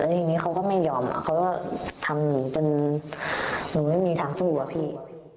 ทีนี้เขาก็ไม่ยอมเขาก็ทำหนูจนหนูไม่มีทางสู้อะพี่